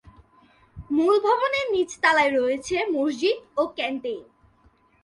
মূল ভবনের নিচতলায় রয়েছে মসজিদ ও ক্যান্টেইন।